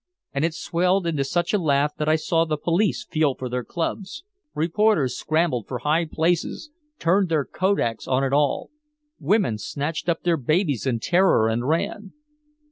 And it swelled into such a laugh that I saw the police feel for their clubs. Reporters scrambled for high places, turned their kodaks on it all. Women snatched up their babies in terror and ran.